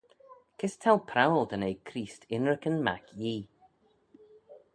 Kys t'ou prowal dy nee Creest ynrican mac Yee?